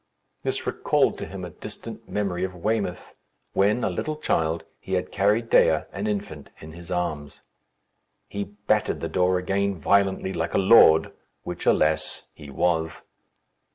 This recalled to him a distant memory of Weymouth, when, a little child, he had carried Dea, an infant, in his arms. He battered the door again violently, like a lord, which, alas! he was.